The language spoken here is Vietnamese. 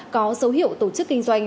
có dấu hiệu tổ chức kinh doanh